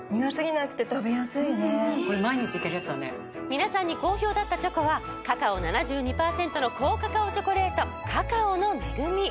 皆さんに好評だったチョコはカカオ７２％の高カカオチョコレート「カカオの恵み」。